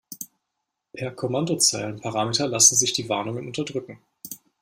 Per Kommandozeilenparameter lassen sich die Warnungen unterdrücken.